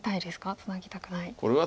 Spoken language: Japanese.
ツナぎたくない。